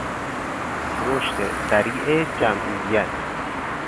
رشد سریع جمعیت